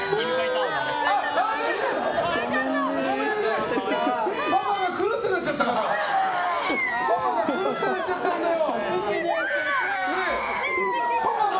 ごめんね、パパがくるってなっちゃったんだよ！